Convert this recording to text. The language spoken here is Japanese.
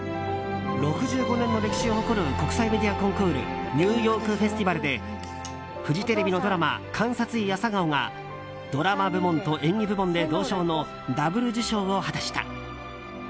６５年の歴史を誇る国際メディアコンクールニューヨーク・フェスティバルでフジテレビのドラマ「監察医朝顔」がドラマ部門と演技部門で銅賞のダブル受賞を果たした。